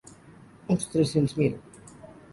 Uns tres-cents mil.